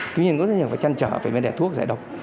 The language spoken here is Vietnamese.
tuy nhiên có thể phải chăn trở phải đẻ thuốc giải độc